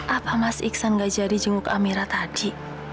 apa mas iksan gak jadi jenguk amirah tadi